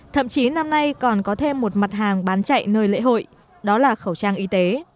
thậm chí năm nay còn có thêm một mặt hàng bán chạy nơi lễ hội đó là khẩu trang y tế